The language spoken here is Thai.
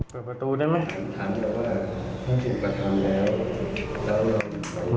เปิดประตูได้ไหม